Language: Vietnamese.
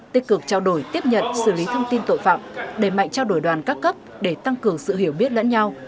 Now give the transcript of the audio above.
tích cực trao đổi tiếp nhận xử lý thông tin tội phạm đẩy mạnh trao đổi đoàn các cấp để tăng cường sự hiểu biết lẫn nhau